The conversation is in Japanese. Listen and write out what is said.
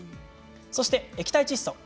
そして液体窒素。